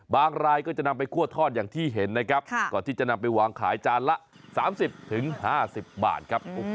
รายก็จะนำไปคั่วทอดอย่างที่เห็นนะครับก่อนที่จะนำไปวางขายจานละ๓๐๕๐บาทครับ